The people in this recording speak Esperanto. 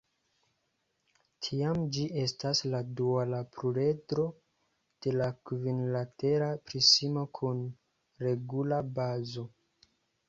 Tiam gi estas la duala pluredro de la kvinlatera prismo kun regula bazo.